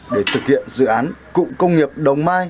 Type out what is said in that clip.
để thực hiện dự án cụm công nghiệp đồng mai